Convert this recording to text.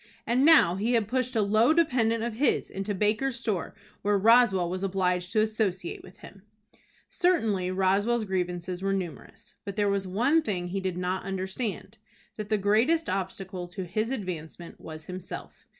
And now he had pushed a low dependent of his into Baker's store where Roswell was obliged to associate with him! Certainly Roswell's grievances were numerous. But there was one thing he did not understand, that the greatest obstacle to his advancement was himself.